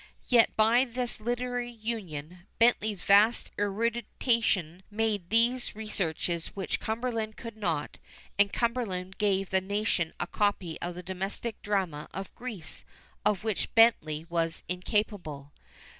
Yet by this literary union, Bentley's vast erudition made those researches which Cumberland could not; and Cumberland gave the nation a copy of the domestic drama of Greece, of which Bentley was incapable.